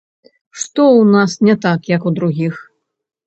Што ў нас не так, як у другіх?